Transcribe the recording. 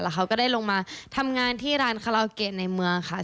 เขาก็ได้ลงมาทำงานที่ร้านคาราโอเกะในเมืองค่ะ